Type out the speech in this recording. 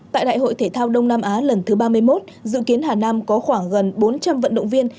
tại đại hội thể thao đông nam á lần thứ ba mươi một dự kiến hà nam có khoảng gần bốn trăm linh vận động viên